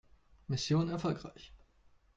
Mission erfolgreich!